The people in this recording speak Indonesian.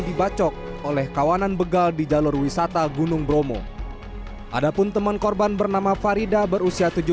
dibacok oleh kawanan begal di jalur wisata gunung bromo ada pun teman korban bernama farida berusia